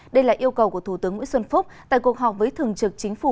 đây là yêu cầu của thủ tướng nguyễn xuân phúc tại cuộc họp với thường trực chính phủ